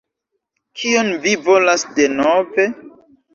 Kion vi volas denove?